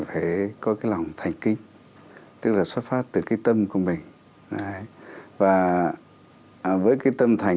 phải có cái lòng thành kính tức là xuất phát từ cái tâm của mình và với cái tâm thành